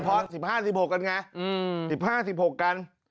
พอ๑๕๑๖กันไง๑๕๑๖กัน